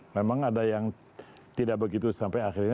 memang ada yang tidak begitu sampai akhirnya